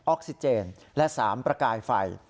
ออกซิเจนและ๓ประกายไฟ